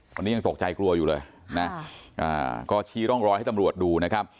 ตอนนี้ยังตกใจกลัวอยู่เลยนะก็ชี้ร่องรอยให้ตำรวจดูนะครับ